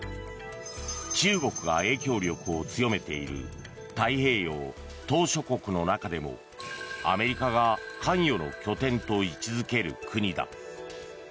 中国が影響力を強めている太平洋島しょ国の中でもアメリカが関与の拠点と位置付ける国だ。